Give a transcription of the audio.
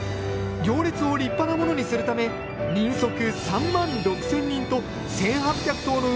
行列を立派なものにするため人足３万６，０００人と１，８００頭の馬が新たに調達されたんです